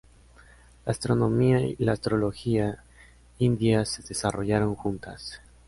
La astronomía y la astrología indias se desarrollaron juntas.